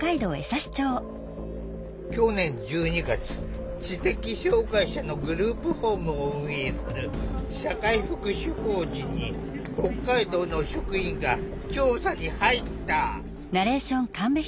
去年１２月知的障害者のグループホームを運営する社会福祉法人に北海道の職員が調査に入った。